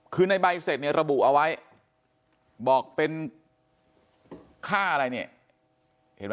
คือในใบเสร็จเนี่ยระบุเอาไว้บอกเป็นค่าอะไรเนี่ยเห็นไหม